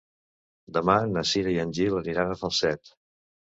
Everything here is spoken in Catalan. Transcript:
Demà na Cira i en Gil aniran a Falset.